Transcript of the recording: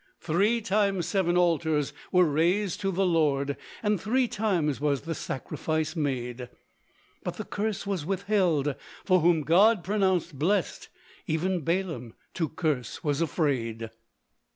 Three times seven altars were raised to the Lord, And three times was the sacrifice made; But the curse was withheld, for whom God pronounced blest, Even Balaam to curse was afraid.